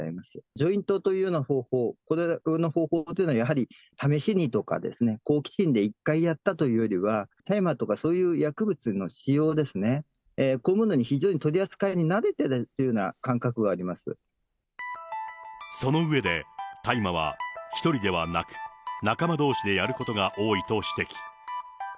ジョイントというような方法、この方法というのは、やはり、試しにとかですね、好奇心で一回やったというよりは、大麻とかそういう薬物の使用ですね、こういうものに、非常に取り扱いに慣れているというような感覚はその上で、大麻は１人ではなく、仲間どうしでやることが多いと指摘。